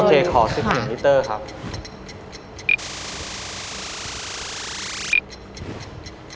เคขอ๑๑มิเตอร์ครับ